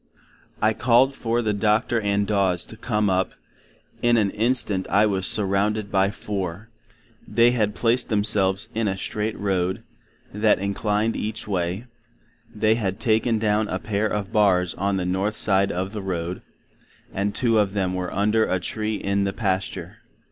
I called for the Doctor and Daws to come up;—in an Instant I was surrounded by four;—they had placed themselves in a Straight Road, that inclined each way; they had taken down a pair of Barrs on the North side of the Road, and two of them were under a tree in the pasture.